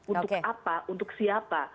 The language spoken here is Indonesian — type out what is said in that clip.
untuk apa untuk siapa